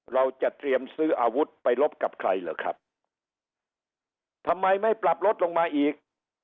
เราจะเตรียมซื้ออาวุธไปลบกับใครเหรอครับทำไมไม่ปรับลดลงมาอีก